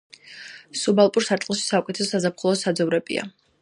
სუბალპური სარტყელში საუკეთესო საზაფხულო საძოვრებია.